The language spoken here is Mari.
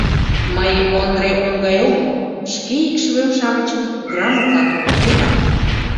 Мый Ондре он гай омыл — шке икшывем-шамычым грамотлан туныктемак.